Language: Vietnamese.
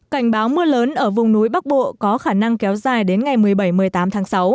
cảnh báo mưa lớn ở vùng núi bắc bộ có khả năng kéo dài đến ngày một mươi bảy một mươi tám tháng sáu